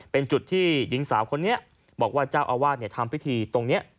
เป็นจุดที่หญิงสาวคนนี้บอกว่าเจ้าอาวาสทำพิธีตรงนี้